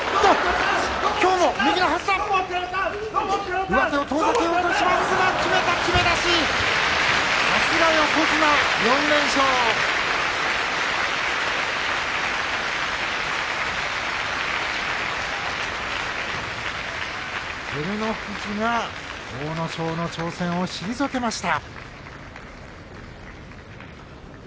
拍手照ノ富士が阿武咲の挑戦を退けました。